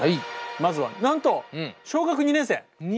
まずはなんと２年生！